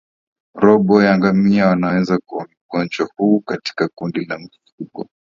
Robo ya ngamia wanaweza kuugua ugonjwa huu katika kundi la mifugo